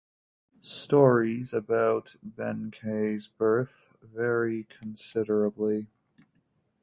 Stories about Benkei's birth vary considerably.